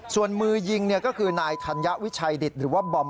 ส่วนมือยิงก็คือนายธัญวิชัยดิตหรือว่าบอม